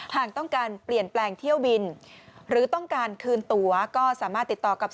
หากต้องการเปลี่ยนแปลงเที่ยวบินหรือต้องการคืนตัวก็สามารถติดต่อกับ